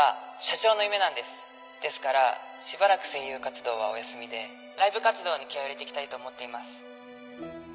ですからしばらく声優活動はお休ライブ活動に気合を入れていきたいと思っています